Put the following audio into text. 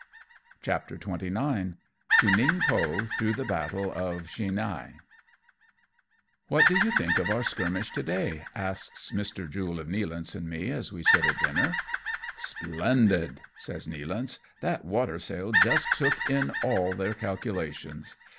CHAPTEE XXIX. TO NINGPO THROUGH THE BATTLE OF CHINHAE. "What did you think of our skirmish to day?" asks Mr. Jule of Nealance and me, as we sit at dinner. " Splendid," says Nealance, " that water sail just took in all their calculations.